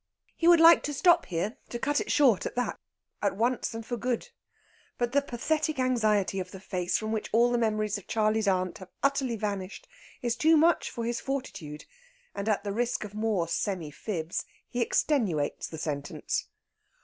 He would like to stop here to cut it short at that, at once and for good. But the pathetic anxiety of the face from which all memories of "Charley's Aunt" have utterly vanished is too much for his fortitude; and, at the risk of more semi fibs, he extenuates the sentence.